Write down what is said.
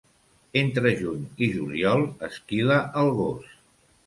Entre juny i juliol esquila el gos.